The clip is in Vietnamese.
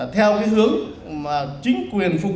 theo hướng chính quyền phục vụ chính quyền kiến tạo